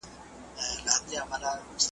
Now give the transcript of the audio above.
چي ملا شکرانه واخلي تأثیر ولاړ سي ,